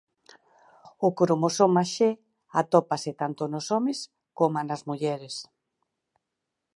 O cromosoma X atópase tanto nos homes coma nas mulleres.